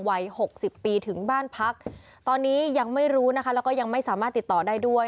หกสิบปีถึงบ้านพักตอนนี้ยังไม่รู้นะคะแล้วก็ยังไม่สามารถติดต่อได้ด้วย